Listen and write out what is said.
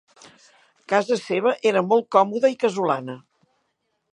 Casa seva era molt còmoda i casolana